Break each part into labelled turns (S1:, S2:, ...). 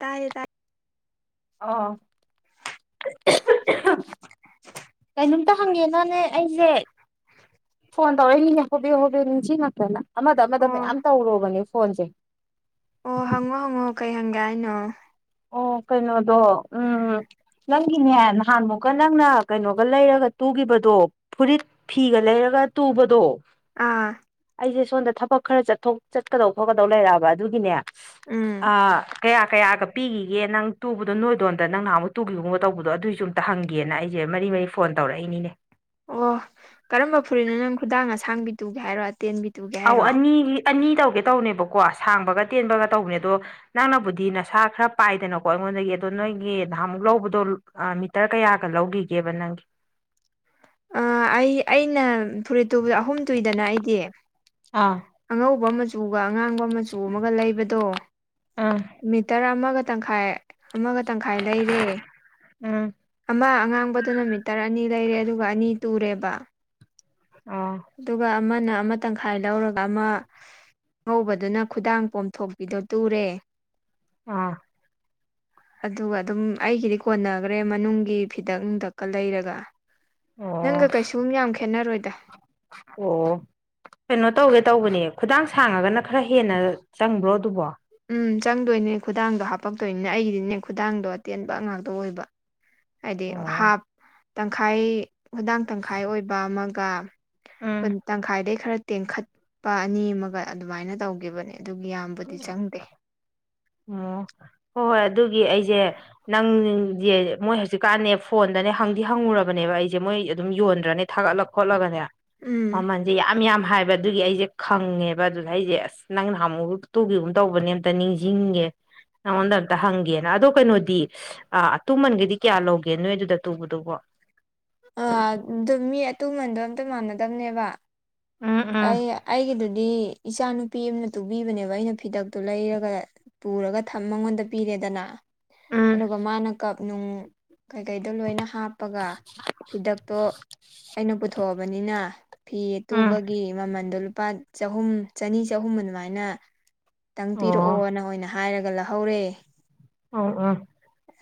S1: ꯇꯥꯏꯌꯦ ꯇꯥꯏ
S2: [unintelligible]
S1: [inaudible]
S2: ꯀꯩꯩꯅꯣꯝꯇ ꯍꯪꯒꯦꯅꯅꯦ ꯑꯩꯖꯦ ꯐꯣꯟ ꯇꯧꯔꯛꯏꯅꯤꯅꯦ ꯍꯣꯕꯦ ꯍꯣꯕꯦ ꯅꯤꯡꯁꯤꯉꯛꯇꯅ ꯑꯃꯗ ꯑꯃꯗ
S1: ꯑꯣ
S2: ꯃꯌꯥꯝ ꯇꯧꯔꯨꯔꯕꯅꯦ ꯐꯣꯟꯁꯦ
S1: ꯑꯣ ꯍꯪꯉꯣ ꯍꯪꯉꯣ ꯀꯩ ꯍꯪꯒꯦ ꯍꯥꯏꯅꯣ
S2: ꯑꯣ ꯀꯩꯅꯣꯗꯣ ꯎꯝ ꯅꯪꯒꯤꯅꯦ ꯅꯍꯥꯟꯃꯨꯛꯀ ꯅꯪꯅ ꯀꯩꯅꯣꯒ ꯂꯩꯔꯒ ꯇꯨꯒꯤꯕꯗꯣ ꯐꯨꯔꯤꯠ ꯐꯤꯒ ꯂꯩꯔꯒ ꯇꯨꯕꯗꯣ
S1: ꯑꯥ
S2: ꯑꯩꯖꯦ ꯁꯣꯟꯗ ꯊꯕꯛ ꯈꯔ ꯆꯠꯊꯣꯛ ꯆꯠꯀꯗꯧ ꯈꯣꯠꯀꯗꯧ ꯂꯩꯔꯛꯑꯕ ꯑꯗꯨꯒꯤꯅꯦ
S1: ꯎꯝ
S2: ꯑ ꯀꯌꯥ ꯀꯌꯥꯒ ꯄꯤꯒꯤꯒꯦ ꯅꯪ ꯇꯨꯕꯗꯣ ꯅꯣꯏꯗꯣꯝꯗ ꯅꯪ ꯅꯍꯥꯟꯃꯨꯛ ꯇꯨꯈꯤꯒꯨꯝꯕ ꯇꯧꯕꯗꯣ ꯑꯗꯨꯏꯁꯨ ꯑꯝꯇ ꯍꯪꯒꯦꯅ ꯑꯩꯁꯦ ꯃꯔꯤ ꯃꯔꯤ ꯐꯣꯟ ꯇꯧꯔꯛꯏꯅꯤꯅꯦ
S1: ꯑꯣ ꯀꯔꯝꯕ ꯐꯨꯔꯤꯠꯅꯣ ꯅꯪ ꯈꯨꯗꯥꯡ ꯑꯁꯥꯡꯕꯤ ꯇꯨꯒꯦ ꯍꯥꯏꯔꯣ ꯑꯇꯦꯟꯕꯤ ꯇꯨꯒꯦ
S2: ꯑꯧ
S1: ꯍꯥꯏꯔꯣ
S2: ꯑꯅꯤꯒꯤ ꯑꯅꯤ ꯇꯧꯒꯦ ꯇꯧꯅꯦꯕꯀꯣ ꯁꯥꯡꯕꯒ ꯇꯦꯟꯕꯒ ꯇꯧꯒꯦ ꯑꯗꯣ ꯅꯪꯅꯕꯨꯗꯤ ꯅꯁꯥ ꯈꯔ ꯄꯥꯏꯗꯅꯀꯣ ꯑꯩꯉꯣꯟꯗꯒꯤ ꯑꯗꯣ ꯅꯣꯏꯒꯤ ꯅꯍꯥꯟꯃꯨꯛ ꯂꯧꯕꯗꯣ ꯃꯤꯇꯔ ꯀꯌꯥꯒ ꯂꯧꯒꯤꯒꯦꯕ ꯅꯪꯒꯤ
S1: ꯑ ꯑꯩ ꯑꯩꯅ ꯐꯨꯔꯤꯠ ꯇꯨꯕ ꯑꯍꯨꯝ ꯇꯨꯏꯗꯅ ꯑꯩꯗꯤ
S2: ꯑꯥ
S1: ꯑꯉꯧꯕ ꯃꯆꯨꯒ ꯑꯉꯥꯡꯕ ꯃꯆꯨ ꯑꯃꯒ ꯂꯩꯕꯗꯣ
S2: ꯑꯥ
S1: ꯃꯤꯇꯔ ꯑꯃꯒ ꯇꯪꯈꯥꯏ ꯑꯃꯒ ꯇꯪꯈꯥꯏ ꯂꯩꯔꯦ
S2: ꯎꯝ
S1: ꯑꯃ ꯑꯉꯥꯡꯕꯗꯨꯅ ꯃꯤꯇꯔ ꯑꯅꯤ ꯂꯩꯔꯦ ꯑꯗꯨꯒ ꯑꯅꯤ ꯇꯨꯔꯦꯕ
S2: ꯑꯣ
S1: ꯑꯗꯨꯒ ꯑꯃꯅ ꯑꯃ ꯇꯪꯈꯥꯏ ꯂꯧꯔꯒ ꯑꯃ ꯉꯧꯕꯗꯨꯅ ꯈꯨꯗꯥꯡ ꯄꯣꯝꯊꯣꯛꯄꯤꯗꯣ ꯇꯨꯔꯦ
S2: ꯑꯥ
S1: ꯑꯗꯨꯒ ꯑꯗꯨꯝ ꯑꯩꯒꯤꯗꯤ ꯀꯣꯟꯅꯒꯔ꯭ꯦ ꯃꯅꯨꯡꯒꯤ ꯐꯤꯗꯛ ꯅꯨꯡꯗꯛꯀ ꯂꯩꯔꯒ
S2: ꯑꯣ
S1: ꯅꯪꯒ ꯀꯩꯁꯨꯝ ꯌꯥꯝ ꯈꯦꯠꯅꯔꯣꯏꯗ
S2: ꯑꯣ ꯀꯩꯅꯣ ꯇꯧꯒꯦ ꯇꯧꯕꯅꯦ ꯈꯨꯗꯥꯡ ꯁꯥꯡꯉꯒꯅ ꯈꯔ ꯍꯦꯟꯅ ꯆꯪꯕ꯭ꯔꯣ ꯑꯗꯨꯕꯣ
S1: ꯎꯝ ꯆꯪꯗꯣꯏꯅꯦ ꯈꯨꯗꯥꯡꯗꯣ ꯍꯥꯄꯛꯇꯣꯏꯅꯤꯅꯦ ꯑꯩꯒꯤꯗꯤꯅꯦ ꯈꯨꯗꯥꯡꯗꯣ ꯑꯇꯦꯟꯕ ꯉꯥꯛꯇ ꯑꯣꯏꯕ ꯍꯥꯏꯗꯤ
S2: ꯑꯣ
S1: ꯍꯥꯞ ꯇꯪꯈꯥꯏ ꯍꯨꯗꯥꯡ ꯇꯪꯈꯥꯏ ꯑꯣꯏꯕ ꯑꯃꯒ ꯀꯨꯟ
S2: ꯎꯝ
S1: ꯇꯪꯈꯥꯏꯗꯩꯩ ꯈꯔ ꯇꯦꯡꯈꯠꯄ ꯑꯅꯤ ꯑꯃꯒ ꯑꯗꯨꯃꯥꯏꯅ ꯇꯧꯈꯤꯕꯅꯦ ꯑꯗꯨꯒꯤ ꯌꯥꯝ ꯄꯨꯗꯤ ꯆꯪ
S2: ꯑꯣ ꯍꯣꯏ ꯍꯣꯏ ꯑꯗꯨꯒꯤ ꯑꯩꯁꯦ ꯅꯪꯁꯦ ꯃꯣꯏ ꯍꯧꯖꯤꯛꯀꯥꯟꯅꯦ ꯐꯣꯟꯗꯅꯦ ꯍꯪꯗꯤ ꯍꯪꯉꯨꯔꯕꯅꯦꯕ ꯑꯩꯁꯦ ꯃꯣꯏ ꯑꯗꯨꯝ ꯌꯣꯟꯗ꯭ꯔꯅꯦ ꯊꯥꯒꯠꯂꯛ ꯈꯣꯠꯂꯒꯅꯦ
S1: ꯎꯝ
S2: ꯃꯃꯟꯖꯦ ꯌꯥꯝ ꯌꯥꯝ ꯍꯥꯏꯕ ꯑꯗꯨꯒꯤ ꯑꯩꯁꯦ ꯈꯪꯉꯦꯕ ꯑꯗꯨꯗ ꯑꯩꯁꯦ ꯑꯁ ꯅꯍꯥꯃꯨ ꯇꯨꯝꯒꯤꯒꯨꯝ ꯇꯧꯕꯅꯦ ꯑꯝꯇ ꯅꯤꯡꯁꯤꯡꯉꯦ ꯅꯉꯣꯟꯗ ꯑꯝꯇ ꯍꯪꯒꯦꯅ ꯑꯗꯣ ꯀꯩꯅꯣꯗꯤ ꯑ ꯑꯇꯨꯃꯟꯒꯗꯤ ꯀꯌꯥ ꯂꯧꯒꯦ ꯅꯣꯏ ꯑꯗꯨꯗ ꯇꯨꯕꯗꯨꯕꯣ
S1: ꯑꯥ ꯑꯗꯨ ꯃꯤ ꯑꯇꯨꯃꯟꯗꯣ ꯑꯝꯇ ꯃꯥꯟꯅꯗꯕꯅꯦꯕ
S2: ꯎꯝ ꯎꯝ
S1: ꯑꯩ ꯑꯩꯒꯤꯗꯨꯗꯤ ꯏꯆꯥꯅꯨꯄꯤ ꯑꯃꯅ ꯇꯨꯕꯤꯕꯅꯦꯕ ꯑꯩꯅ ꯐꯤꯗꯛꯇꯣ ꯂꯩꯔꯒ ꯄꯨꯔꯒ ꯃꯉꯣꯟꯗ ꯄꯤꯔꯦꯗꯅ
S2: ꯎꯝ
S1: ꯑꯗꯨꯒ ꯃꯥꯅ ꯀꯞꯅꯨꯡ ꯀꯩꯀꯩꯗꯣ ꯂꯣꯏꯅ ꯍꯥꯞꯄꯒ ꯐꯤꯗꯛꯇꯣ ꯑꯩꯅ ꯄꯨꯊꯣꯛꯑꯕꯅꯤꯅ ꯐꯤ
S2: ꯎꯝ
S1: ꯑꯇꯨꯕꯒꯤ ꯃꯃꯟꯗꯣ ꯂꯨꯄꯥ ꯆꯍꯨꯝ ꯆꯅꯤ ꯆꯍꯨꯝ ꯑꯗꯨꯃꯥꯏꯅ ꯇꯪ
S2: ꯑꯣ
S1: ꯄꯤꯔꯛꯑꯣꯅ ꯑꯣꯏꯅ ꯍꯥꯏꯔꯒ ꯂꯍꯧꯔꯦ
S2: ꯑꯣ ꯎꯝ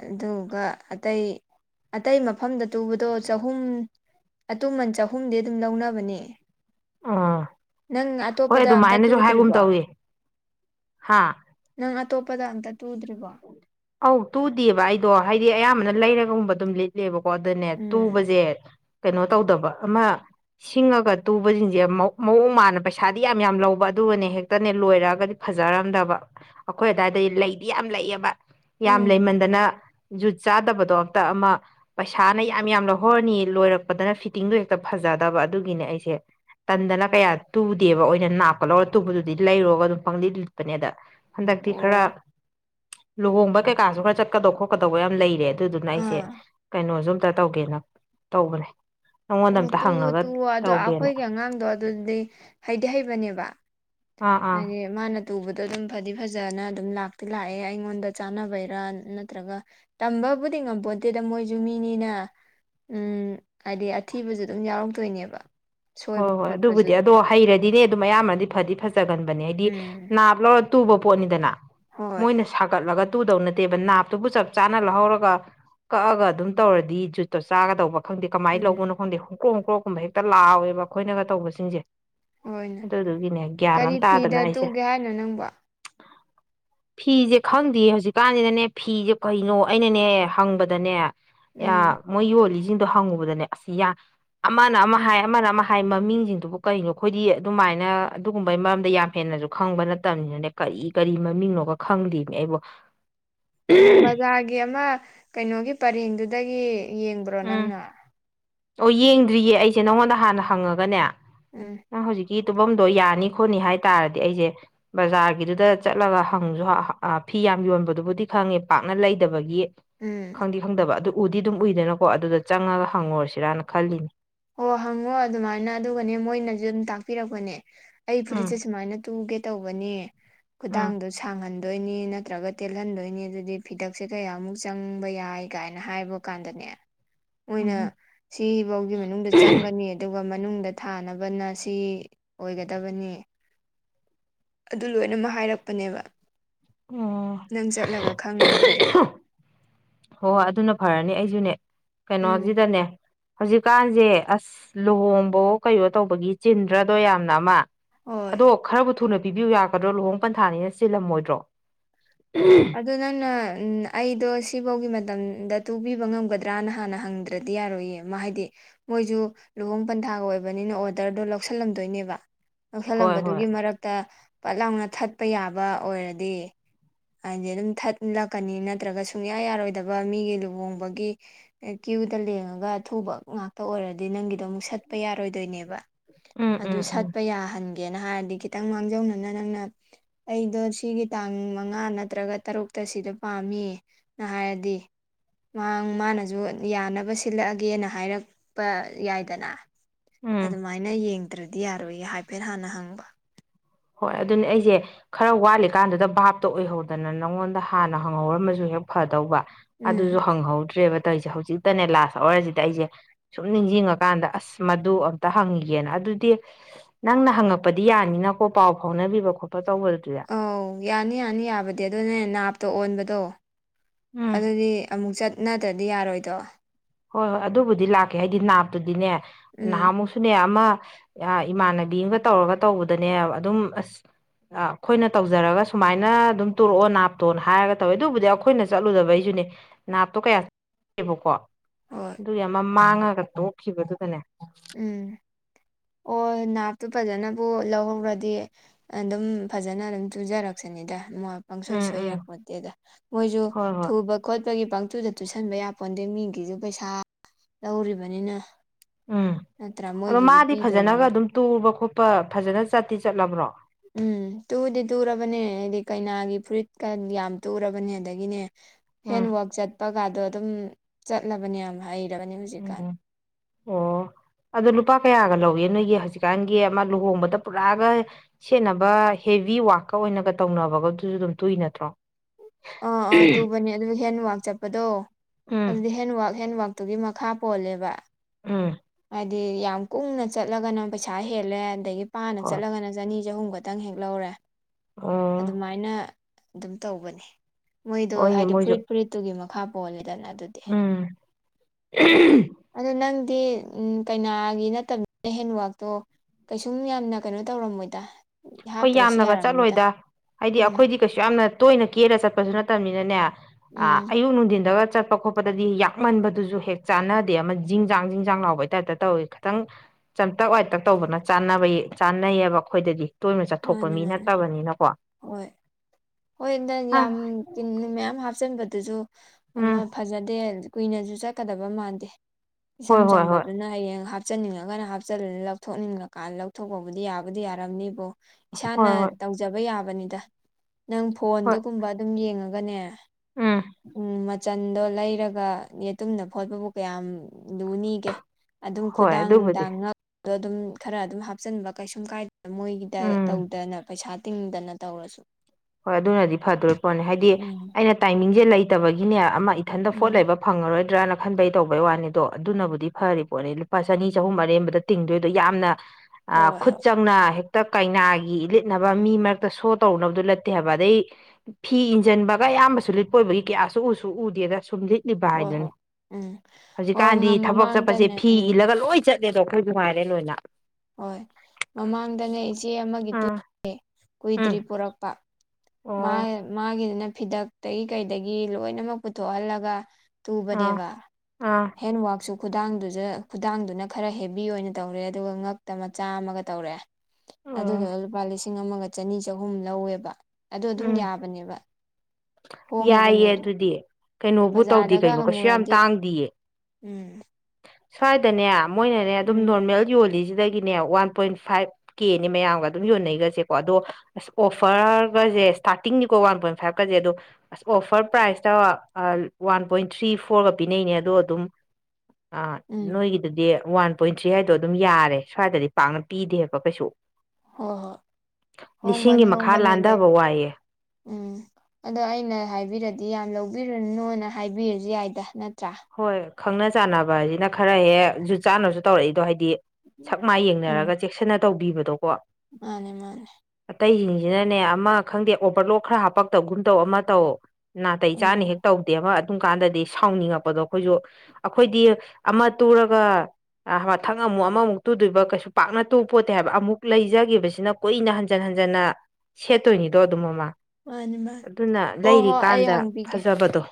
S1: ꯑꯗꯨꯒ ꯑꯇꯩ ꯑꯇꯩ ꯃꯐꯝꯗ ꯇꯨꯕꯗꯣ ꯆꯍꯨꯝ ꯑꯇꯨꯃꯟ ꯆꯍꯨꯝꯗꯤ ꯑꯗꯨꯝ ꯂꯧꯅꯕꯅꯦ
S2: ꯑꯣ
S1: ꯅꯪ
S2: ꯍꯣꯏ
S1: ꯑꯇꯣꯞꯄꯗ ꯑꯝꯇ
S2: ꯑꯗꯨꯃꯥꯏꯅꯁꯨ ꯍꯥꯏꯒꯨꯝ
S1: ꯇꯨꯗ꯭ꯔꯤꯕꯣ
S2: ꯇꯧꯏ ꯍꯥ
S1: ꯅꯪ ꯑꯇꯣꯞꯄꯗ ꯑꯝꯇ ꯇꯨꯗ꯭ꯔꯤꯕꯣ
S2: ꯑꯧ ꯇꯨꯗꯦꯕ ꯑꯩꯗꯣ ꯍꯥꯏꯗꯤ ꯑꯌꯥꯝꯕꯅ ꯂꯩꯔꯒꯨꯝꯕ ꯑꯗꯨꯝ ꯂꯤꯠ ꯂꯦꯕꯀꯣ ꯑꯗꯨꯗꯅꯦ
S1: ꯎꯝ
S2: ꯇꯨꯕꯁꯦ ꯀꯩꯅꯣ ꯇꯧꯗꯕ ꯑꯃ ꯁꯤꯡꯉꯒ ꯇꯨꯕꯁꯤꯡꯁꯦ ꯃꯑꯣꯡ ꯃꯥꯟꯅ ꯄꯩꯁꯥꯗꯤ ꯌꯥꯝ ꯌꯥꯝ ꯂꯧꯕ ꯑꯗꯨꯒꯅꯦ ꯍꯦꯛꯇꯅꯦ ꯂꯣꯏꯔꯛꯑꯒꯗꯤ ꯐꯖꯔꯝꯗꯕ ꯑꯩꯈꯣꯏ ꯑꯗꯥꯏꯗꯗꯤ ꯂꯩꯗꯤ ꯌꯥꯝ ꯂꯩꯕ ꯌꯥꯝ
S1: ꯎꯝ
S2: ꯂꯩꯃꯟꯗꯅ ꯖꯨꯠ ꯆꯥꯗꯕꯗꯣ ꯑꯝꯇ ꯑꯃ ꯄꯩꯁꯥꯅ ꯌꯥꯝ ꯌꯥꯝ ꯂꯧꯍꯧꯔꯅꯤ ꯂꯣꯏꯔꯛꯄꯗꯅ ꯐꯤꯠꯇꯤꯡꯗꯣ ꯍꯦꯛꯇ ꯐꯖꯗꯕ ꯑꯗꯨꯒꯤꯅꯦ ꯑꯩꯁꯦ ꯇꯟꯗꯅ ꯀꯌꯥ ꯇꯨꯗꯦꯕ ꯑꯣꯏꯅ ꯅꯥꯞꯀ ꯂꯧꯔ ꯇꯨꯕꯗꯨꯗꯤ ꯂꯩꯔꯨꯔꯒ ꯑꯗꯨꯝ ꯄꯪꯂꯤꯠ ꯂꯤꯠꯄꯅꯦ ꯑꯗ ꯍꯟꯗꯛꯇꯤ ꯈꯔ
S1: ꯑꯣ
S2: ꯂꯨꯍꯣꯡꯕ ꯀꯩꯀꯥꯁꯨ ꯈꯔ ꯆꯠꯀꯗꯧꯕ ꯈꯣꯠꯀꯗꯧꯕ ꯌꯥꯝ ꯂꯩꯔꯦ ꯑꯗꯨꯗꯨꯅ ꯑꯩꯁꯦ
S1: ꯑꯥ
S2: ꯀꯩꯅꯣ ꯁꯨꯝ [inaudible] ꯇꯧꯒꯦꯅ ꯇꯧꯕꯅꯦ ꯅꯪꯉꯣꯟꯗ
S1: ꯑꯣ
S2: ꯑꯝꯇ
S1: ꯇꯨꯋꯣ
S2: ꯍꯪꯉꯒ
S1: ꯇꯨꯋꯣ ꯑꯗꯣ
S2: ꯇꯧꯒꯦꯅ
S1: ꯑꯩꯈꯣꯏꯒꯤ ꯑꯉꯥꯡꯗꯣ ꯑꯗꯨꯗꯤ ꯍꯩꯗꯤ ꯍꯩꯕꯅꯦꯕ
S2: ꯑꯥ ꯑꯥ
S1: ꯍꯥꯏꯗꯤ ꯃꯥꯅ ꯇꯨꯕꯗꯣ ꯑꯗꯨꯝ ꯐꯗꯤ ꯐꯖꯅ ꯑꯗꯨꯝ ꯂꯥꯛꯇꯤ ꯂꯥꯛꯑꯦ ꯑꯩꯉꯣꯟꯗ ꯆꯥꯟꯅꯕꯩꯔꯥ ꯅꯠꯇ꯭ꯔꯒ ꯇꯝꯕꯕꯨꯗꯤ ꯉꯝꯄꯣꯠꯇꯦꯗ ꯃꯣꯏꯁꯨ ꯃꯤꯅꯤꯅ ꯎꯝ ꯍꯥꯏꯗꯤ ꯊꯤꯕꯁꯨ ꯑꯗꯨꯝ ꯌꯥꯎꯔꯛꯇꯣꯏꯅꯦꯕ
S2: ꯍꯣꯏ
S1: ꯁꯣꯏꯕ
S2: ꯍꯣꯏ
S1: ꯈꯣꯠꯄꯁꯨ
S2: ꯑꯗꯨꯕꯨꯗꯤ
S1: ꯑꯗꯨꯝ
S2: ꯑꯗꯣ ꯍꯩꯔꯗꯤꯅꯦ ꯑꯗꯨꯝ ꯑꯌꯥꯝꯕꯅꯗꯤ ꯐꯗꯤ ꯐꯖꯒꯟꯕꯅꯦ ꯍꯥꯏꯗꯤ
S1: ꯎꯝ
S2: ꯅꯥꯞ ꯂꯧꯔ ꯇꯨꯕ ꯄꯣꯠꯅꯤꯗꯅ
S1: ꯍꯣꯏ
S2: ꯃꯣꯏꯅ ꯁꯥ ꯀꯠꯂꯒ ꯇꯨꯗꯧ ꯅꯠꯇꯦꯕ ꯅꯥꯞꯇꯨꯕꯨ ꯆꯞ ꯆꯥꯅ ꯂꯧꯍꯧꯔꯒ ꯀꯛꯑꯒ ꯑꯗꯨꯝ ꯇꯧꯔꯗꯤ ꯖꯨꯠꯇꯣ ꯆꯥꯒꯗꯧꯕ ꯈꯪꯗꯦ ꯀꯃꯥꯏ ꯂꯧꯕꯅꯣ
S1: ꯎꯝ
S2: ꯈꯪꯗꯦ ꯍꯣꯡꯀ꯭ꯔꯣꯛ ꯍꯣꯡꯀ꯭ꯔꯣꯛꯀꯨꯝꯕ ꯍꯦꯛꯇ ꯂꯥꯎꯋꯦꯕ ꯑꯩꯈꯣꯏꯅꯒ ꯇꯧꯕꯁꯤꯡꯁꯦ
S1: ꯍꯣꯏꯅꯦ
S2: ꯑꯗꯨꯗꯨꯒꯤꯅꯦ ꯒ꯭ꯌꯥꯟ
S1: ꯀꯔꯤ
S2: ꯑꯃ
S1: ꯐꯤꯗ
S2: ꯇꯥꯗꯅ ꯑꯩꯁꯦ
S1: ꯇꯨꯒꯦ ꯍꯥꯏꯅꯣ ꯅꯪꯕꯣ
S2: ꯐꯤꯁꯦ ꯈꯪꯗꯤꯌꯦ ꯍꯧꯖꯤꯛ ꯀꯥꯟꯁꯤꯅꯅꯦ ꯐꯤꯁꯦ ꯀꯩꯅꯣ ꯑꯩꯅꯅꯦ ꯍꯪꯕꯗꯅꯦ ꯌꯥ
S1: ꯎꯝ
S2: ꯃꯣꯏ ꯌꯣꯜꯂꯤꯁꯤꯡꯗꯣ ꯍꯪꯉꯨꯕꯗꯅꯦ ꯑꯁꯤ ꯌꯥ ꯑꯃꯅ ꯑꯃ ꯍꯥꯏ ꯑꯃꯅ ꯑꯃ ꯍꯥꯏ ꯍꯥꯏ ꯃꯃꯤꯡꯁꯤꯡꯗꯨꯕꯨ ꯀꯔꯤꯅꯣ ꯑꯩꯈꯣꯏꯗꯤ ꯑꯗꯨꯃꯥꯏꯅ ꯑꯗꯨꯒꯨꯝꯕꯩ ꯃꯔꯝꯗ ꯌꯥꯝ ꯍꯦꯟꯅꯁꯨ ꯈꯪꯕ ꯅꯠꯇꯕꯅꯤꯅꯅꯦ ꯀꯔꯤ ꯀꯔꯤ ꯃꯃꯤꯡꯅꯣꯒ ꯈꯪꯗꯦꯅꯦ ꯑꯩꯕꯣ
S1: ꯎꯝ ꯕꯖꯥꯔꯒꯤ ꯑꯃ ꯀꯩꯅꯣꯒꯤ ꯄꯔꯦꯡꯗꯨꯗꯒꯤ ꯌꯦꯡꯕ꯭ꯔꯣ
S2: ꯎꯝ
S1: ꯅꯪꯅ
S2: ꯑꯣ ꯌꯦꯡꯗ꯭ꯔꯤꯌꯦ ꯑꯩꯁꯦ ꯅꯪꯉꯣꯟꯗ ꯍꯥꯟꯅ ꯍꯪꯉꯒꯅꯦ
S1: ꯎꯝ
S2: ꯅꯪ ꯍꯧꯖꯤꯛꯀꯤ ꯇꯨꯕꯝꯗꯣ ꯌꯥꯅꯤ ꯈꯣꯠꯅꯤ ꯍꯥꯏ ꯇꯥꯔꯗꯤ ꯑꯩꯁꯦ ꯕꯖꯥꯔꯒꯤꯗꯨꯗ ꯆꯠꯂꯒ ꯍꯪꯁꯨ ꯑ ꯐꯤ ꯌꯥꯝ ꯌꯣꯟꯕꯗꯨꯕꯨꯗꯤ ꯈꯪꯉꯦ ꯄꯥꯛꯅ ꯂꯩꯗꯕꯒꯤ
S1: ꯎꯝ
S2: ꯈꯪꯗꯤ ꯈꯪꯗꯕ ꯑꯗꯨ ꯎꯗꯤ ꯑꯗꯨꯝ ꯎꯏꯗꯅꯀꯣ ꯑꯗꯨꯗ ꯆꯪꯉꯒ ꯍꯪꯉꯨꯔꯁꯤꯔꯅ ꯈꯜꯂꯤꯅꯤ
S1: ꯑꯣ ꯍꯪꯉꯣ ꯑꯗꯨꯃꯥꯏꯅ ꯑꯗꯨꯒꯅꯦ ꯃꯣꯏꯅꯁꯨ ꯑꯗꯨꯝ ꯇꯥꯛꯄꯤꯔꯛꯄꯅꯦ ꯑꯩ
S2: ꯎꯝ
S1: ꯐꯨꯔꯤꯠꯁꯦ ꯁꯨꯃꯥꯏꯅ ꯇꯨꯒꯦ ꯇꯧꯕꯅꯦ
S2: ꯎꯝ
S1: ꯈꯨꯗꯥꯡꯗꯨ ꯁꯥꯡꯍꯟꯗꯣꯏꯅꯤ ꯅꯠꯇ꯭ꯔꯒ ꯇꯦꯜꯍꯟꯗꯣꯏꯅꯦ ꯑꯗꯨꯗꯤ ꯐꯤꯗꯛꯁꯦ ꯀꯌꯥꯃꯨꯛ ꯆꯪꯕ ꯌꯥꯏ ꯀꯥꯏꯅ ꯍꯥꯏꯕ ꯀꯥꯟꯗꯅꯦ
S2: ꯎꯝ
S1: ꯃꯣꯏꯅ ꯁꯤꯕꯧꯒꯤ ꯃꯅꯨꯡꯗ ꯆꯪꯒ ꯅꯤ ꯑꯗꯨꯒ ꯃꯅꯨꯡꯗ ꯊꯥꯅꯕꯅ ꯁꯤ ꯑꯣꯏꯒꯗꯕꯅꯤ ꯑꯗꯨ ꯂꯣꯏꯅꯃꯛ ꯍꯥꯏꯔꯛꯄꯅꯦꯕ
S2: ꯎꯝ
S1: ꯅꯪ ꯆꯠꯂꯒ ꯈꯪꯉꯅꯤ ꯑꯗꯨꯗꯤ
S2: ꯍꯣꯏ ꯍꯣꯏ ꯑꯗꯨꯅ ꯐꯔꯅꯤ ꯑꯩꯁꯨꯅꯦ
S1: ꯎꯝ
S2: ꯀꯩꯅꯣꯖꯤꯗꯅꯦ ꯍꯧꯖꯤꯛꯀꯥꯟꯁꯦ ꯑꯁ ꯂꯨꯍꯣꯡꯕꯑꯣ ꯀꯩꯌꯣ ꯇꯧꯕꯒꯤ ꯆꯤꯟꯗ꯭ꯔꯗꯣ ꯌꯥꯝꯅ ꯑꯃ
S1: ꯍꯣꯏ
S2: ꯑꯗꯣ ꯈꯔꯕꯨ ꯊꯨꯅ ꯄꯤꯕꯤꯌꯨ ꯌꯥꯔꯛꯀꯗ꯭ꯔꯣ ꯂꯨꯍꯣꯡ ꯄꯟꯊꯥꯅꯤꯅ ꯆꯤꯜꯂꯝꯃꯣꯏꯗ꯭ꯔꯣ
S1: ꯑꯗꯣ ꯅꯪꯅ ꯑꯡ ꯑꯩꯗꯣ ꯁꯤꯐꯥꯎꯒꯤ ꯃꯇꯝꯗ ꯇꯨꯕꯤꯕ ꯉꯝꯒꯗ꯭ꯔꯅ ꯍꯥꯟꯅ ꯍꯪꯗ꯭ꯔꯗꯤ ꯌꯥꯔꯣꯏꯌꯦ ꯑꯃ ꯍꯥꯏꯗꯤ ꯃꯣꯏꯁꯨ ꯂꯨꯍꯣꯡ ꯄꯟꯊꯥꯒ ꯑꯣꯏꯕꯅꯤꯅ ꯑꯣꯔꯗꯔꯗꯣ ꯂꯧꯁꯜꯂꯝꯗꯣꯏꯅꯦꯕ
S2: ꯍꯣꯏ ꯍꯣꯏ
S1: ꯂꯧꯎꯁꯜꯂꯝꯕꯗꯨꯒꯤ ꯃꯔꯛꯇ ꯄꯠ ꯂꯥꯎꯅ ꯊꯠꯄ ꯌꯥꯕ ꯑꯣꯏꯔꯗꯤ ꯍꯥꯏꯗꯤ ꯑꯗꯨꯝ ꯊꯠꯂꯛꯀꯅꯤ ꯅꯠꯇ꯭ꯔꯒ ꯁꯨꯡꯌꯥ ꯌꯥꯔꯣꯏꯗꯕ ꯃꯤꯒꯤ ꯂꯨꯍꯣꯡꯕꯒꯤ ꯀ꯭ꯌꯨꯗ ꯂꯦꯡꯉꯒ ꯑꯊꯨꯕ ꯉꯥꯛꯇ ꯑꯣꯏꯔꯗꯤ ꯅꯪꯒꯤꯗꯣ ꯑꯃꯨꯛ ꯁꯠꯄ ꯌꯥꯔꯣꯏꯗꯣꯏꯅꯦꯕ
S2: ꯎꯝ
S1: ꯑꯗꯨ
S2: ꯎꯝ ꯎꯝ
S1: ꯁꯠꯄ ꯌꯥꯍꯟ ꯒꯦꯅ ꯍꯥꯏꯔꯗꯤ ꯈꯤꯇꯪ ꯃꯥꯡꯖꯧꯅꯅ ꯅꯪꯅ ꯑꯩꯗꯣ ꯁꯤꯒꯤ ꯇꯥꯡ ꯃꯉꯥ ꯅꯠ ꯇ꯭ꯔꯒ ꯇꯔꯨꯛꯇ ꯁꯤꯗ ꯄꯥꯝꯃꯤ ꯅ ꯍꯥꯏꯔꯗꯤ ꯃꯥꯡ ꯃꯥꯅꯁꯨ ꯌꯥꯅꯕ ꯁꯤꯜꯂꯛꯑꯒꯦꯅ ꯍꯥꯏꯔꯛꯄ ꯌꯥꯏꯗꯅ
S2: ꯎꯝ
S1: ꯑꯗꯨꯃꯥꯏꯅ ꯌꯦꯡꯗ꯭ꯔꯗꯤ ꯌꯥꯔꯣꯏꯌꯦ ꯍꯥꯏꯐꯦꯠ ꯍꯥꯟꯅ ꯍꯪꯕ
S2: ꯍꯣꯏ ꯑꯗꯨꯅꯦ ꯑꯩꯁꯦ ꯈꯔ ꯋꯥꯠꯂꯤꯀꯥꯟꯗꯨꯗ ꯚꯥꯞꯇꯣ ꯑꯣꯏꯍꯧꯗꯅ ꯅꯪꯉꯣꯟꯗ ꯍꯥꯟꯅ ꯍꯪꯉꯧꯔꯝꯃꯁꯨ ꯍꯦꯛ ꯐꯗꯧꯕ
S1: ꯎꯝ
S2: ꯑꯗꯨꯁꯨ ꯍꯪꯍꯧꯗ꯭ꯔꯦꯕ ꯇꯧꯏꯁꯦ ꯍꯧꯖꯤꯛꯇꯅꯦ ꯂꯥꯁ ꯑꯋꯥꯔꯁꯤꯗ ꯑꯩꯁꯦ ꯁꯨꯝ ꯅꯤꯡꯁꯤꯡꯉꯀꯥꯟꯗ ꯑꯁ ꯃꯗꯨ ꯑꯝꯇ ꯍꯪꯒꯦꯅ ꯑꯗꯨꯗꯤ ꯅꯪꯅ ꯍꯪꯉꯛꯄꯗꯤ ꯌꯥꯅꯤꯅꯀꯣ ꯄꯥꯎ ꯐꯥꯎꯅꯕꯤꯕ ꯈꯣꯠ
S1: ꯑꯧ ꯌꯥꯅꯤ ꯌꯥꯅꯤ ꯌꯥꯕꯗꯤ ꯑꯗꯨꯅꯦ ꯅꯥꯞꯇꯣ ꯑꯣꯟꯕꯗꯣ
S2: ꯎꯝ
S1: ꯑꯗꯨꯗꯤ ꯑꯃꯨꯛ ꯆꯠꯅꯗ꯭ꯔꯗꯤ ꯌꯥꯔꯣꯏꯗꯣ
S2: ꯍꯣꯏ ꯍꯣꯏ ꯑꯗꯨꯕꯨꯗꯤ ꯂꯥꯛꯀꯦ ꯍꯥꯏꯗꯤ ꯅꯥꯞꯇꯨꯗꯤꯅꯦ
S1: ꯎꯝ
S2: ꯅꯍꯥꯃꯨꯛꯁꯨ ꯁꯨꯅꯦ ꯑꯃ ꯑꯥ ꯏꯃꯥꯟꯅꯕꯤ ꯑꯃꯒ ꯇꯧꯔꯒ ꯇꯧꯕꯗꯅꯦ ꯑꯗꯨꯝ ꯑꯁ ꯑ ꯑꯩꯈꯣꯏꯅ ꯇꯧꯖꯔꯒ ꯁꯨꯃꯥꯏꯅ ꯑꯗꯨꯝ ꯇꯨꯔꯛꯑꯣ ꯅꯥꯞꯇꯣꯅ ꯍꯥꯏꯔꯒ ꯇꯧꯋꯦ ꯑꯗꯨꯕꯨꯗꯤ ꯑꯩꯈꯣꯏꯅ ꯆꯠꯂꯨꯗꯕꯩꯖꯨꯅꯤ ꯅꯥꯞꯇꯣ ꯀꯌꯥ ꯆ [inaudible] ꯕꯀꯣ
S1: ꯍꯣꯏ
S2: ꯑꯗꯨꯏ ꯑꯃ ꯃꯥꯡꯉꯒ ꯇꯣꯛꯈꯤꯕꯗꯨꯗꯅꯦ
S1: ꯎꯝ ꯑꯣ ꯅꯥꯞꯇꯨ ꯐꯖꯅꯕꯨ ꯂꯧꯍꯧꯔꯗꯤ ꯑꯗꯨꯝ ꯐꯖꯅ ꯑꯗꯨꯝ ꯇꯨꯖꯔꯛꯁꯅꯤꯗ ꯃꫭꯏ ꯄꯪꯁꯣꯏ
S2: ꯎꯝ
S1: ꯁꯣꯏ
S2: ꯎꯝ
S1: ꯌꯥꯄꫭꯠꯇ‌ꯦꯗ ꯃꯣꯏꯁꯨ
S2: ꯍꯣꯏ ꯍꯣꯏ
S1: ꯊꯨꯕ ꯈꯣꯠꯄꯒꯤ ꯄꯪꯇꯨꯗ ꯇꯨꯁꯟꯕ ꯌꯥꯄꯣꯟꯗꯦ ꯃꯤꯒꯤꯁꯨ ꯄꯩꯁꯥ ꯂꯧꯔꯤꯕꯅꯤꯅ
S2: ꯎꯝ
S1: ꯅꯠꯇ꯭ꯔꯥ
S2: ꯑꯗꯣ
S1: ꯃꯣꯏꯒꯤꯁꯨ
S2: ꯃꯥꯗꯤ ꯐꯖꯅꯒ
S1: ꯄꯤꯗꯣꯏꯅꯤꯅ
S2: ꯑꯗꯨꯝ ꯇꯨꯕ ꯈꯣꯠꯄ ꯐꯖꯅ ꯆꯠꯇꯤ ꯆꯠꯂꯕ꯭ꯔꯣ
S1: ꯎꯝ ꯇꯨꯗꯤ ꯇꯨꯔꯕꯅꯦ ꯍꯥꯏꯗꯤ ꯀꯩꯅꯥꯒꯤ ꯐꯨꯔꯤꯠꯀ ꯌꯥꯝ ꯇꯨꯔꯕꯅꯦ ꯑꯗꯒꯤꯅꯦ
S2: ꯎꯝ
S1: ꯍꯦꯟꯋꯥꯛ ꯆꯠꯄꯒꯗꯣ ꯑꯗꯨꯝ ꯆꯠꯂꯕꯅꯦ ꯌꯥꯝ ꯍꯩ
S2: ꯎꯝ ꯑꯣ ꯑꯗꯣ ꯂꯨꯄꯥ ꯀꯌꯥꯒ ꯂꯧꯏ ꯅꯣꯏꯒꯤ ꯍꯧꯖꯤꯛꯀꯥꯟꯒꯤ ꯑꯃ ꯂꯨꯍꯣꯡꯕꯗ ꯄꯨꯔꯥꯒ ꯁꯦꯠꯅꯕ ꯍꯦꯕꯤ ꯋꯥꯔꯛꯀ ꯑꯣꯏꯅꯒ ꯇꯧꯅꯕꯒꯗꯨꯁꯨ ꯑꯗꯨꯝ ꯇꯨꯏ ꯅꯠꯇ꯭ꯔꯣ
S1: ꯑꯥ ꯑꯥ ꯇꯨꯕꯅꯦ ꯑꯗꯨꯒꯤ ꯍꯦꯟꯋꯥꯛ ꯆꯠꯄꯗꯣ
S2: ꯎꯝ
S1: ꯑꯗꯨꯗꯤ ꯍꯦꯟꯋꯥꯛ ꯍꯦꯟꯋꯥꯛ ꯑꯗꯨꯒꯤ ꯃꯈꯥ ꯄꯣꯜꯂꯦꯕ
S2: ꯎꯝ
S1: ꯍꯥꯏꯗꯤ ꯌꯥꯝ ꯀꯨꯡꯅ ꯆꯠꯂꯒꯅ ꯄꯩꯁꯥ ꯍꯦꯜꯂꯦ ꯑꯗꯩꯒꯤ ꯄꯥꯅ
S2: ꯍꯣꯏ
S1: ꯆꯠꯂꯒꯅ ꯆꯅꯤ ꯆꯍꯨꯝ ꯈꯤꯇꯪ ꯍꯦꯛ ꯂꯧꯔꯦ
S2: ꯑꯣ
S1: ꯑꯗꯨꯃꯥꯏꯅ ꯑꯗꯨꯝ ꯇꯧꯕꯅꯤ ꯃꯣꯏꯗꯣ
S2: ꯍꯣꯏꯅꯦ
S1: ꯍꯥꯏꯗꯤ
S2: ꯃꯣꯏꯁꯨ
S1: ꯐꯨꯔꯤꯠ ꯐꯨꯔꯤꯠꯇꯨꯒꯤ ꯃꯈꯥ ꯄꯣꯜꯂꯦꯗꯅ ꯑꯗꯨꯗꯤ
S2: ꯎꯝ
S1: ꯑꯗꯨ ꯅꯪꯗꯤ ꯎꯝ ꯀꯩꯅꯥꯒꯤ ꯅꯠꯇꯕꯗꯅ ꯍꯦꯟꯋꯥꯛꯇꯣ ꯀꯩꯁꯨꯝ ꯌꯥꯝꯅ ꯀꯩꯅꯣ ꯇꯧꯔꯝꯃꯣꯏꯗ
S2: ꯑꯩꯈꯣꯏ
S1: ꯍꯥꯞꯇ꯭ꯔꯁꯨ
S2: ꯌꯥꯝꯅꯒ
S1: ꯌꯥꯔꯝꯅꯤꯗ
S2: ꯆꯠꯂꯣꯏꯗ ꯍꯥꯏꯗꯤ
S1: ꯎꯝ
S2: ꯑꯩꯈꯣꯏꯗꯤ ꯀꯩꯁꯨ ꯌꯥꯝꯅ ꯇꯣꯏꯅ ꯀꯦꯔ ꯆꯠꯄꯁꯨ ꯅꯠꯇꯕꯅꯤꯅꯅꯦ
S1: ꯎꯝ
S2: ꯑꯌꯨꯛ ꯅꯨꯡꯊꯤꯟꯗꯒ ꯆꯠꯄ ꯈꯣꯠꯄ ꯄꯗꯗꯤ ꯌꯥꯛꯃꯟꯕꯗꯨꯁꯨ ꯍꯦꯛ ꯆꯥꯟꯅꯗꯦ ꯑꯃ ꯖꯤꯡꯖꯥꯡ ꯖꯤꯡꯖꯥꯡ ꯂꯥꯎꯕꯩ ꯇꯥꯏꯞꯇ ꯇꯧꯋꯤ ꯈꯤꯇꯪ ꯆꯝꯇꯛ ꯋꯥꯏꯇꯛ ꯇꯧꯕꯅ ꯆꯥꯟꯅꯕ ꯆꯥꯟꯅꯩꯌꯦꯕ ꯑꯩꯈꯣꯏꯗꯗꯤ ꯇꯣꯏꯅ ꯆꯠꯊꯣꯛꯄ
S1: ꯃꯥꯅꯦ
S2: ꯃꯤ
S1: ꯃꯥꯅꯦ
S2: ꯅꯠꯇꯕꯅꯤꯅꯀꯣ
S1: ꯍꯣꯏ ꯍꯣꯏ ꯅꯪ ꯌꯥꯝ ꯆꯤꯟ ꯃꯌꯥꯝ ꯍꯥꯞꯆꯤꯟꯕꯗꯨꯁꯨ
S2: ꯎꯝ
S1: ꯑꯃ ꯐꯖꯗꯦ ꯀꯨꯏꯅꯁꯨ ꯆꯠꯀꯗꯕ ꯃꯥꯟꯗꯦ
S2: ꯍꯣꯏ
S1: ꯏꯆꯝ
S2: ꯍꯣꯏ ꯍꯣꯏ
S1: ꯆꯝꯕꯗꯨꯅ ꯍꯌꯦꯡ ꯍꯥꯞ ꯍꯥꯞꯆꯤꯟꯅꯤꯡꯉꯥꯒꯅ ꯍꯥꯞꯆꯜꯂꯦ ꯂꯧꯊꯣꯛꯅꯤꯡꯂꯀꯥꯟꯗ ꯂꯧꯊꯣꯛꯄꯕꯨꯗꯤ ꯌꯥꯕꯨꯗꯤ ꯌꯥꯔꯝꯅꯤꯕꯣ
S2: ꯍꯣꯏ
S1: ꯏꯁꯥꯅ
S2: ꯍꯣꯏ
S1: ꯇꯧꯖꯕ ꯌꯥꯕꯅꯤꯗ ꯅꯪ
S2: ꯍꯣꯏ
S1: ꯐꯣꯟꯗꯒꯨꯝꯕ ꯑꯗꯨꯝ ꯌꯦꯡꯉꯥꯒꯅꯦ
S2: ꯎꯝ
S1: ꯎꯝ ꯆꯟꯗꯣꯟ ꯂꯩꯔꯒ ꯌꯦꯇꯨꯝꯅ ꯐꯣꯠꯄꯕꯨ ꯀꯌꯥꯝ ꯂꯨꯅꯤꯒꯦ ꯑꯗꯨꯝ
S2: ꯍꯣꯏ
S1: ꯈꯨꯗꯥꯡ
S2: ꯑꯗꯨꯕꯨꯗꯤ
S1: ꯅꯨꯡꯗꯥꯡ ꯉꯛꯗ ꯑꯗꯨꯝ ꯈꯔ ꯑꯗꯨꯝ ꯍꯥꯞꯆꯤꯟꯕ ꯀꯩꯁꯨꯝ ꯀꯥꯏꯗꯦ ꯃꯣꯏꯒꯤꯗ
S2: ꯎꯝ
S1: ꯇꯧꯗꯅ ꯄꯩꯁꯥ ꯇꯤꯡꯗꯅ ꯇꯧꯔꯁꯨ
S2: ꯍꯣꯏ ꯑꯗꯨꯅꯗꯤ ꯐꯗꯣꯏ ꯄꯣꯠꯅꯤ ꯍꯥꯏꯗꯤ
S1: ꯎꯝ
S2: ꯑꯩꯅ ꯇꯥꯏꯃꯤꯡꯁꯦ ꯂꯩꯇꯕꯒꯤꯅꯦ ꯑꯃ ꯏꯊꯟꯇ ꯐꯣꯠ
S1: ꯎꯝ
S2: ꯂꯩꯕ ꯐꯪꯉꯔꯣꯏꯗ꯭ꯔꯅ ꯈꯟꯕꯩ ꯇꯧꯕꯩ ꯋꯥꯅꯤꯗꯣ ꯑꯗꯨꯅꯕꯨꯗꯤ ꯐꯔꯤ ꯄꯣꯠꯅꯤ ꯂꯨꯄꯥ ꯆꯅꯤ ꯆꯍꯨꯝ ꯑꯔꯦꯝꯕꯗ ꯇꯤꯡꯗꯣꯏꯗꯣ ꯌꯥꯝꯅ ꯑꯥ
S1: ꯍꯣꯏ
S2: ꯈꯨꯠ
S1: ꯍꯣꯏ
S2: ꯆꯪꯅ ꯍꯦꯛꯇ ꯀꯩꯅꯥꯒꯤ ꯂꯤꯠꯅꯕ ꯃꯤ ꯃꯔꯛꯇ ꯁꯣ ꯇꯧꯅꯕꯗꯨ ꯅꯠ ꯇꯦ ꯍꯥꯏꯕ ꯑꯗꯩ ꯐꯤ ꯏꯟꯁꯤꯟꯕꯒ ꯑꯌꯥꯝꯕꯁꯨ ꯂꯤꯠꯄ ꯑꯣꯏꯕꯒꯤ ꯀꯌꯥꯁꯨ ꯎꯁꯨ ꯎꯗꯦꯗ ꯁꯨꯝ ꯂꯤꯠ ꯂꯤꯠꯂꯤꯕ
S1: ꯍꯣꯏ
S2: ꯍꯥꯏꯗꯨꯅꯤ
S1: ꯍꯣꯏ ꯎꯝ ꯍꯣꯏ
S2: ꯍꯧꯖꯤꯛꯒꯥꯟꯗꯤ ꯊꯕꯛ ꯆꯠꯄꯁꯦ
S1: ꯃꯃꯥꯡꯗꯅꯦ
S2: ꯐꯤ
S1: ꯎꯝ
S2: ꯏꯜꯂꯒ ꯂꯣꯏ ꯆꯠ ꯗꯣ ꯑꯩꯈꯣꯏꯁꯨ ꯉꯥꯏꯔꯦ ꯂꯣꯏꯅ
S1: ꯍꯣꯏ ꯃꯃꯥꯡꯗꯅꯦ ꯏꯆꯦ ꯑꯃꯒꯤ ꯇꯨꯢ
S2: ꯎꯝ
S1: ꯀꯨꯏꯗ꯭ꯔꯤ
S2: ꯎꯝ
S1: ꯄꯣꯔꯛꯄ
S2: ꯑꯣ
S1: ꯃꯥꯒꯤ ꯃꯥꯒꯤꯗꯨꯅ ꯐꯤꯗꯛꯇꯒꯤ ꯀꯩꯗꯒꯤ ꯂꯣꯏꯅꯃꯛ ꯄꯨꯊꯣꯛꯍꯜꯂꯒ
S2: ꯑꯥ
S1: ꯇꯨꯕꯅꯦꯕ
S2: ꯑꯥ
S1: ꯍꯦꯟꯋꯥꯛꯁꯨ ꯈꯨꯗꯥꯡꯗꯨꯗ ꯈꯨꯗꯥꯡꯗꯨꯅ ꯈꯔ ꯍꯦꯕꯤ ꯑꯣꯏꯅ ꯇꯧꯔꯦ ꯑꯗꯨꯒ ꯉꯛ ꯇ ꯃꯆꯥ ꯑꯃꯒ ꯇꯧꯔꯛꯑꯦ
S2: ꯑꯣ
S1: ꯑꯗꯨꯗꯨꯒ ꯂꯨꯄꯥ ꯂꯤꯁꯤꯡ ꯑꯃꯒ ꯆꯅꯤ ꯆꯍꯨꯝ ꯂꯧꯋꯦꯕ ꯑꯗꯣ ꯑꯗꯨꯝ
S2: ꯎꯝ
S1: ꯌꯥꯕꯅꯦꯕ ꯍꯣꯡꯉꯥꯕꯅꯦ
S2: ꯌꯥꯏꯌꯦ
S1: ꯑꯗꯣ
S2: ꯑꯗꯨꯗꯤ ꯀꯩꯅꯣꯕꯨ ꯇꯧꯗꯦ
S1: ꯕꯖꯥꯔꯗꯒ
S2: ꯀꯩꯅꯣ ꯀꯩꯁꯨ ꯌꯥꯝ
S1: ꯍꯪꯉꯨꯔꯗꯤ
S2: ꯇꯥꯡꯗꯤꯌꯦ
S1: ꯎꯝ
S2: ꯁ꯭ꯋꯥꯏꯗꯅꯦ ꯃꯣꯏꯅꯅꯦ ꯑꯗꯨꯝ
S1: ꯎꯝ
S2: ꯅꯣꯔꯃꯦꯜ ꯌꯣꯜꯂꯤꯖꯤꯗꯒꯤꯅꯦ ꯋꯥꯟ ꯄꯣꯏꯟ ꯐꯥꯏꯚ ꯀꯦꯅꯤ ꯃꯌꯥꯝꯒ ꯑꯗꯨꯝ ꯌꯣꯟꯅꯩꯒꯁꯦꯀꯣ ꯑꯗꯣ ꯑꯁ ꯑꯣꯐꯔꯒꯁꯦ ꯏꯁꯇꯥꯔꯇꯤꯡꯅꯤꯀꯣ ꯋꯥꯟ ꯄꯣꯏꯟ ꯐꯥꯏꯚꯀꯁꯦ ꯑꯗꯣ ꯑꯁ ꯑꯣꯐꯔ ꯄ꯭ꯔꯥꯏꯖꯇ ꯑꯥ ꯋꯥꯟ ꯄꯣꯏꯟ ꯊ꯭ꯔꯤ ꯐꯣꯔꯒ ꯄꯤꯅꯩꯅꯦ ꯑꯗꯣ ꯑꯗꯨꯝ ꯑꯥ
S1: ꯎꯝ
S2: ꯅꯣꯏꯒꯤ ꯑꯗꯨꯗꯤ ꯋꯥꯟ ꯄꯣꯏꯟ ꯊ꯭ꯔꯤ ꯍꯥꯏꯗꯣ ꯑꯗꯨꯝ ꯌꯥꯔꯦ ꯁ꯭ꯋꯥꯏꯗꯗꯤ ꯄꯥꯛꯅ ꯄꯤꯗꯦꯕ ꯀꯩꯁꯨ
S1: ꯍꯣꯏ ꯍꯣꯏ
S2: ꯂꯤꯁꯤꯡꯒꯤ
S1: ꯍꯣꯡꯕꯅꯤ
S2: ꯃꯈꯥ
S1: ꯍꯣꯡꯕꯅꯤ ꯑꯗꯩ
S2: ꯂꯥꯟꯗꯕ ꯋꯥꯏꯌ‌ꯦ ꯫
S1: ꯎꯝ ꯑꯗꯣ ꯑꯩꯅ ꯍꯥꯏꯕꯤꯔꯗꯤ ꯌꯥꯝ ꯂꯧꯕꯤꯔꯅꯨꯅ ꯍꯥꯏꯕꯤꯔꯁꯨ ꯌꯥꯏꯗ ꯅꯠꯇ꯭ꯔꯥ?
S2: ꯍꯣꯏ ꯈꯪꯅ ꯆꯥꯟꯅꯕ ꯍꯥꯏꯖꯤꯅ ꯈꯔ ꯍꯦꯛ ꯖꯨꯠ ꯆꯥꯅꯁꯨ ꯇꯧꯔꯛꯏꯗꯣ ꯍꯥꯏꯗꯤ ꯁꯛ ꯃꯥꯏ
S1: ꯎꯝ
S2: ꯌꯦꯡꯅꯔꯒ ꯆꯦꯛꯁꯤꯟꯅ ꯇꯧꯕꯤꯕꯗꯣꯀꯣ ꯫
S1: ꯃꯥꯅꯦ ꯃꯥꯅꯦ
S2: ꯑꯇꯩꯁꯤꯡꯁꯤꯅꯅꯦ ꯑꯃ ꯈꯪꯗꯦ ꯑꯣꯚꯔꯂꯣꯛ ꯈꯔ ꯍꯥꯞꯄꯛꯇꯕꯒꯨꯝ ꯇꯧ ꯑꯃ ꯇꯧ ꯫ ꯅꯥꯇꯩ ꯆꯥꯅ
S1: ꯎꯝ
S2: ꯍꯦꯛ ꯇꯧꯗꯦꯕ ꯑꯗꯨꯝꯀꯥꯟꯗꯗꯤ ꯁꯥꯎꯅꯤꯡꯉꯛꯄꯗꯣ ꯑꯩꯈꯣꯏꯁꯨ ꯑꯩꯈꯣꯏꯗꯤ ꯑꯃ ꯇꯨꯔꯒ ꯑꯥ ꯃꯊꯪ ꯑꯃꯨꯛ ꯑꯃꯃꯨꯛ ꯇꯨꯗꯣꯏꯕ ꯀꯩꯁꯨ ꯄꯥꯛꯅ ꯇꯨꯕ ꯄꯣꯠꯇꯦ ꯍꯥꯏꯕ ꯑꯃꯨꯛ ꯂꯩꯖꯒꯤꯈꯤꯕꯁꯤꯅ ꯀꯨꯏꯅ ꯍꯟꯖꯤꯟ ꯍꯟꯖꯟꯅ ꯁꯦꯠꯇꯣꯏꯅꯤꯗꯣ ꯑꯗꯨꯝ ꯑꯃ
S1: ꯃꯥꯅꯤ
S2: ꯫
S1: ꯃꯥꯅꯤ
S2: ꯑꯗꯨꯅ
S1: ꯑꯣ ꯍꯣ ꯑꯩ
S2: ꯂꯩꯔꯤꯀꯥꯟꯗ
S1: ꯍꯪꯕꯤꯒꯦ
S2: ꯐꯖꯕꯗꯣ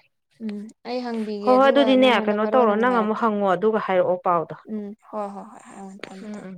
S1: ꯎꯝ ꯑꯩ ꯍꯪꯕꯤꯒꯦ
S2: ꯍꯣꯏ ꯍꯣꯏ
S1: ꯑꯗꯨꯒ
S2: ꯑꯗꯨꯗꯤꯅꯦ
S1: ꯅꯪꯉꯣꯟꯗ
S2: ꯀꯩꯅꯣ
S1: ꯃꯔꯣꯟ
S2: ꯇꯧꯔꯣ
S1: ꯑꯃꯨꯛ
S2: ꯅꯪ
S1: ꯍꯥꯏꯔꯛꯀꯦ ꯫
S2: ꯍꯪꯉꯣ ꯑꯗꯨꯒ ꯍꯥꯏꯔꯛꯑꯣ ꯄꯥꯎ
S1: ꯎꯝ ꯍꯣ ꯍꯣ ꯍꯣꯏ ꯊꯝꯃ‌ꯣ ꯊꯝ
S2: ꯎꯝ
S1: ꯫